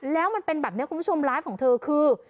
แล้วมันเป็นแบบนี้คุณผู้ชมไลฟ์ของเธอคือ